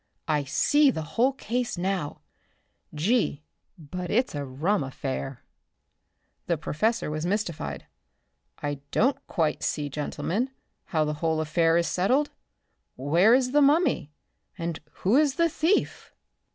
I see the whole case now. Gee, but its a rum affair!" The professor was mystified. "I don't quite see, gentlemen, how the whole affair is settled. Where is the mummy? And who was the thief?"